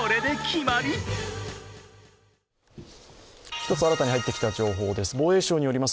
１つ新たに入ってきた情報です。